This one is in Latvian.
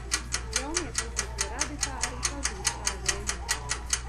Jauniepazītie radi tā arī pazūd kara vējos.